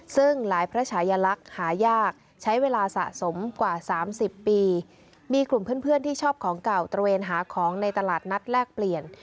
ซึ่งหลายพระชายลักษณ์หายากใช้เวลาสะสมกว่า๓๐ปีมีกลุ่มเพื่อนที่ชอบของเก่าตระเวนหาของในตลาดนัดแลกเปลี่ยน